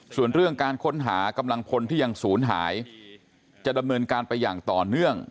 ส่วนเรื่องการค้นหากำลังพลที่ยังศูนย์หายจะดำเนินการไปอย่างต่อเนื่อง